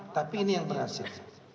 tapi ini yang berhasil